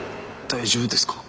大丈夫です。